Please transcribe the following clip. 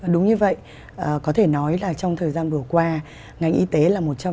đúng như vậy có thể nói là trong thời gian vừa qua ngành y tế là một trong